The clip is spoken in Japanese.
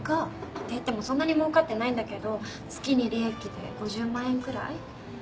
って言ってもそんなにもうかってないんだけど月に利益で５０万円くらい。